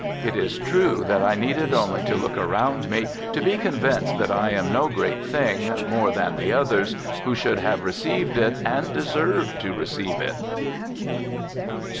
It is true that I needed only to look around me to be convinced that I am no great thing more than the others who should have received it and deserved to receive it.